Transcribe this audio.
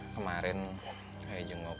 kemarin ayo jenguk